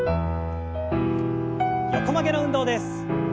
横曲げの運動です。